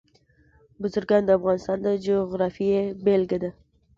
بزګان د افغانستان د جغرافیې بېلګه ده.